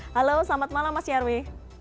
halo selamat malam mas nyarwi